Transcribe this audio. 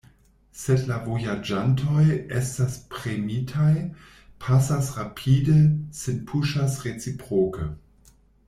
Sed la vojaĝantoj estas premitaj, pasas rapide, sin puŝas reciproke.